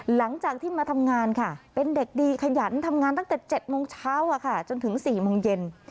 หลังจากที่มาทำงานค่ะเป็นเด็กดีขยันทำงานตั้งแต่๗โมงเช้าจนถึง๔โมงเย็น